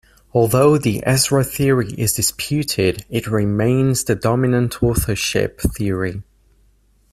Although the Ezra theory is disputed, it remains the dominant authorship theory.